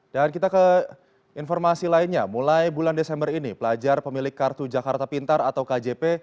dan kita ke informasi lainnya mulai bulan desember ini pelajar pemilik kartu jakarta pintar atau kjp